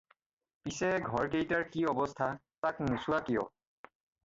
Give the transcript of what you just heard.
পিচে ঘৰকেইটাৰ কি অৱস্থা, তাক নোচোৱা কিয়?